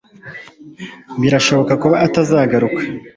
birashoboka kuba atazagaruka